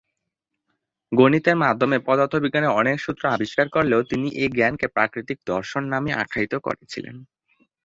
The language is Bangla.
গণিতের মাধ্যমে পদার্থবিজ্ঞানের অনেক সূত্র আবিষ্কার করলেও তিনি এই জ্ঞানকে প্রাকৃতিক দর্শন নামেই আখ্যায়িত করেছিলেন।